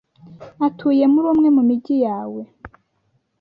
atuye muri umwe mu migi yawe,